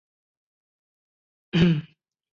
他现在在丹麦手球联赛球队哥本哈根效力。